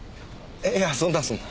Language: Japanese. いやそんなそんな。